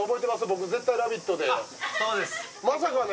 僕絶対「ラヴィット！」でって。